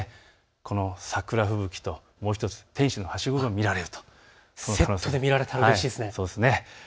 この桜吹雪ともう１つ、天使のはしごが見られる、セットで見られたらうれしいですね。